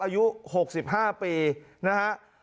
อายุ๖๕ปีนะครับ